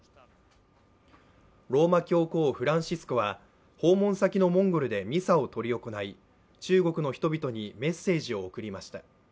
ローマ教皇フランシスコは訪問先のモンゴルでミサを執り行い中国の人々にメッセージを送りました。